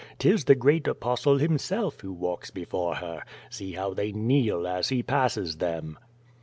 *Tis the great Apostle himself who walks before her. See how tliey kneel as he passes them."